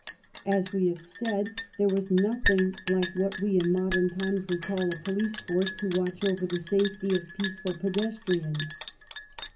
As we have said, there was nothing like what we in modern times would call a police force to watch over the safety of peaceful pedestrians.